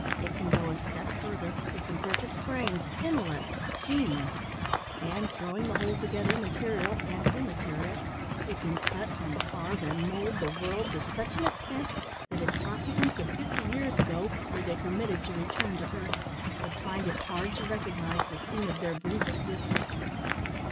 It can go a step further it can purchase brains, intellect, genius; and, throwing the whole together, material and immaterial, it can cut, and carve, and mould the world to such an extent that its occupants of fifty years ago, were they permitted to return to earth, would find it hard to recognise the scene of their brief existence.